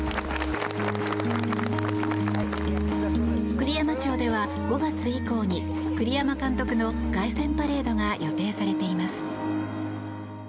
栗山町では５月以降に栗山監督の凱旋パレードが予定されています。